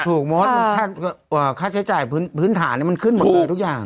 ถูกค่าใช้จ่ายผิดพื้นฐานขึ้นหมดเลยทุกอย่าง